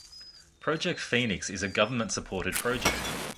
Project Phoenix is a government-supported project.